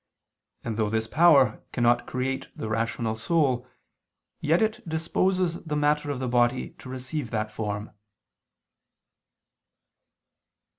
And though this power cannot create the rational soul, yet it disposes the matter of the body to receive that form.